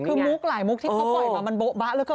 คือมุกหลายมุกที่เขาปล่อยมามันโบ๊ะบะเหลือเกิน